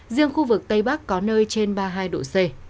riêng khu vực tây bắc có nơi trên ba mươi hai độ c